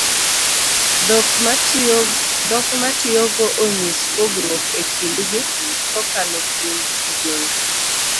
dhok magitiyogo onyis pogruok e kindgi kokalo kuom tugo no